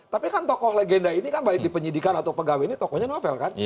tapi kan toko legenda ini kan baik dipenyidikan atau pegawai ini tokonya novel kan